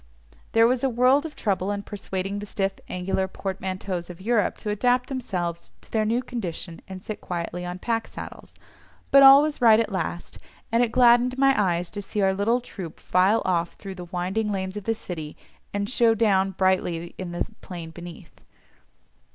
There was a world of trouble in persuading the stiff angular portmanteaus of Europe to adapt themselves to their new condition and sit quietly on pack saddles, but all was right at last, and it gladdened my eyes to see our little troop file off through the winding lanes of the city, and show down brightly in the plain beneath.